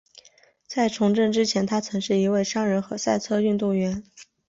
在从政之前他曾是一位商人和赛车运动员。